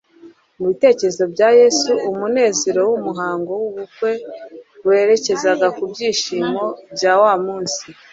Mu bitekerezo bya Yesu, umunezero w’umuhango w’ubukwe werekezaga ku byishimo bya wa munsi